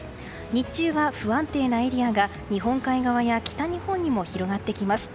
日中は不安定なエリアが日本海側や北日本にも広がってきます。